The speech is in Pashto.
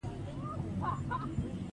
ککرۍ تار تار وېښته لرله.